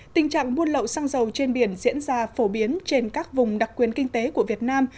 tình trạng buôn lậu xăng dầu trên biển diễn ra phổ biến trên các vùng đặc quyến kinh tế của việt nam